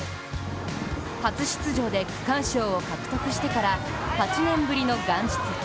初出場で区間賞を獲得してから８年ぶりの元日。